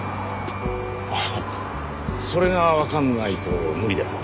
それが分かんないと無理だよ。